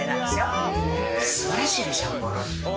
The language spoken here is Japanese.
素晴らしいでしょ。